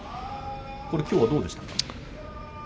きょうはどうでしたか。